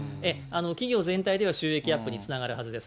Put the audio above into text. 企業全体では、収益アップにつながるはずです。